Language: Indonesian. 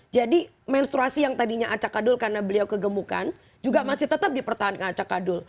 jadi menstruasi yang tadinya acakadul karena beliau kegemukan juga masih tetap dipertahankan acakadul